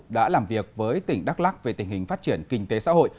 đã làm việc với tỉnh đắk lắc về tình hình phát triển kinh tế xã hội